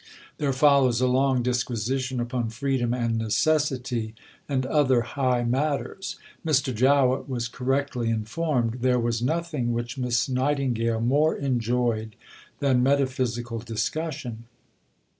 There follows a long disquisition upon Freedom and Necessity and other high matters. Mr. Jowett was correctly informed. There was nothing which Miss Nightingale more enjoyed than metaphysical discussion.